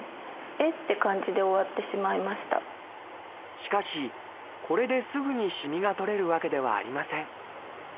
しかしこれですぐにしみが取れるわけではありません。